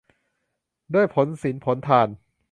ด้วยผลศีลผลทาน